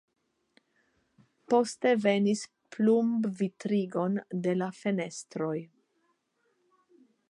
Poste venis plumbvitrigon de la fenestroj.